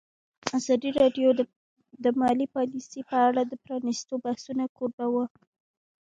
ازادي راډیو د مالي پالیسي په اړه د پرانیستو بحثونو کوربه وه.